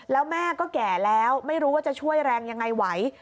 แล้วแม่ก็แก่แล้วไม่รู้ว่าจะช่วยแรงยังไงไหว